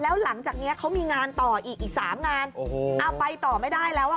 แล้วหลังจากเนี้ยเขามีงานต่ออีกอีกสามงานโอ้โหเอาไปต่อไม่ได้แล้วอ่ะ